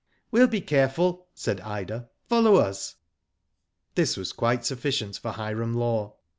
We'll be careful," said Ida, "follow us." This was quite sufficient for Hiram Law.